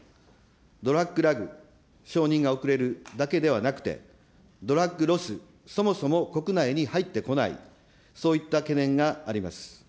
ドラッグラグ、承認が遅れるだけではなくて、ドラッグロス、そもそも国内に入ってこない、そういった懸念があります。